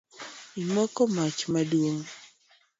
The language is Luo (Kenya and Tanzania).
Imoko mach maduong